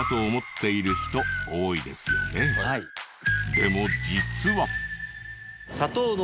でも実は。